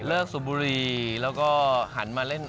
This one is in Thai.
เลิกสวบุรีแล้วก็หันมาเล่น